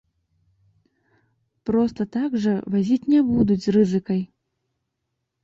Проста так жа вазіць не будуць з рызыкай.